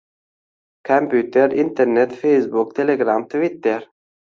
kompyuter, internet, feysbuk, telegram, tvitter.